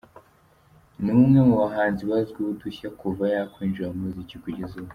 Ni umwe mu bahanzi bazwiho udushya kuva yakwinjira mu muziki kugeza ubu.